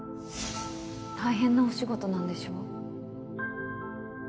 大変なお仕事なんでしょ？